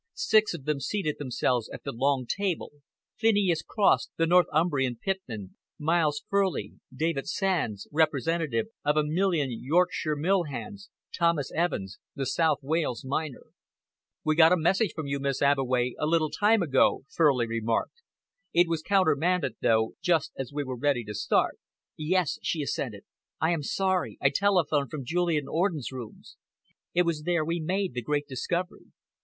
Six of them seated themselves at the long table Phineas Cross, the Northumbrian pitman, Miles Furley, David Sands, representative of a million Yorkshire mill hands, Thomas Evans, the South Wales miner. "We got a message from you, Miss Abbeway, a little time ago," Furley remarked. "It was countermanded, though, just as we were ready to start." "Yes!" she assented. "I am sorry. I telephoned from Julian Orden's rooms. It was there we made the great discovery.